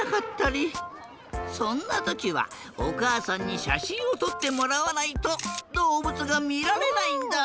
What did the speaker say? そんなときはおかあさんにしゃしんをとってもらわないとどうぶつがみられないんだ。